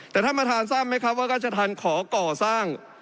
แต่ท่านประธานทราบไหมครับว่าราชธรรมขอก่อสร้าง